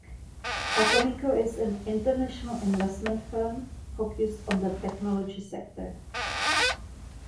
Atomico is an international investment firm focused on the technology sector.